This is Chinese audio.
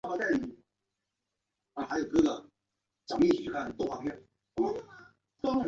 甘露聚糖结合凝集素是一种在先天免疫系统中起作用的凝集素。